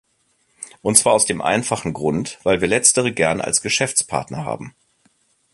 Und zwar aus dem einfachen Grund, weil wir Letztere gern als Geschäftspartner haben.